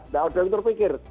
nah udah berpikir